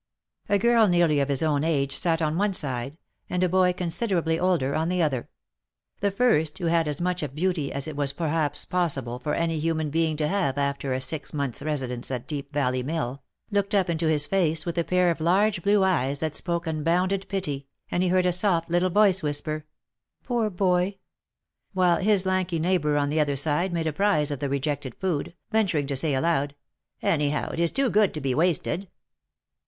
A girl nearly of his own age sat on one side, and a boy considerably older on the other; the first who had as much of beauty as it was perhaps, possible for any human being to have after a six month's residence at Deep Valley Mill, looked up into his face with a pair of large blue eyes that spoke unbounded pity, and he heard a soft little voice whisper, " Poor boy !" While his lanky neighbour on the other side made prize of the rejected food, venturing to say aloud, "Any how, it is too good to be wasted."